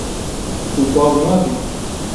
Tu baz nadî.